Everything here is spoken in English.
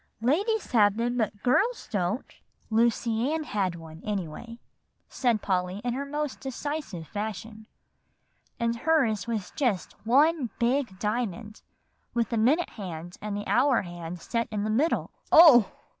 "Ladies have them, but girls don't." "Lucy Ann had one, anyway," said Polly in her most decisive fashion; "and hers was just one big diamond, with the minute hand and the hour hand set in the middle" "Oh!"